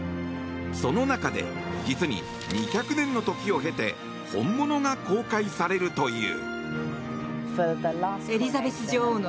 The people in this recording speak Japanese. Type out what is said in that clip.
その中で実に２００年の時を経て本物が公開されるという。